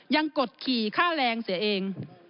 กดขี่ค่าแรงเสียเอง